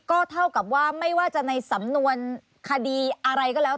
ก็เท่ากับว่าไม่ว่าจะในสำนวนคดีอะไรก็แล้ว